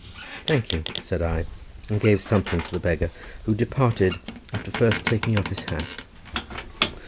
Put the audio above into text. "Thank you," said I, and gave something to the beggar, who departed, after first taking off his hat.